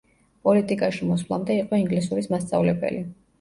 პოლიტიკაში მოსვლამდე იყო ინგლისურის მასწავლებელი.